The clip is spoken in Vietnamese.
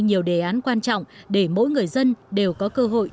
nhiều đề án quan trọng để mỗi người dân đều có cơ hội